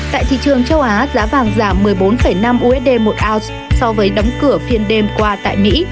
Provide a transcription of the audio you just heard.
tại thị trường châu á giá vàng giảm một mươi bốn năm usd một ounce so với đóng cửa phiên đêm qua tại mỹ